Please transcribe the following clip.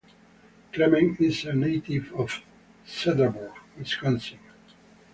Clement is a native of Cedarburg, Wisconsin.